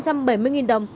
tăng một trăm tám mươi đồng